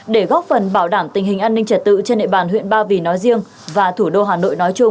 để góp phần bảo đảm tình hình an ninh trẻ tự trên địa bàn huyện bảo vy nói riêng và thủ đô hà nội nói chung